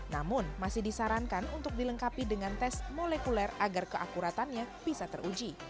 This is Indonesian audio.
namun masih disarankan untuk dilengkapi dengan tes molekuler agar keakuratannya bisa teruji